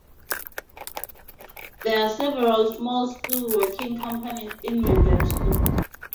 There are several small steelworking companies in Modesto.